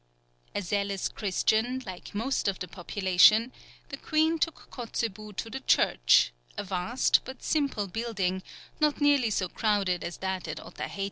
A zealous Christian, like most of the population, the queen took Kotzebue to the church, a vast but simple building, not nearly so crowded as that at Otaheite.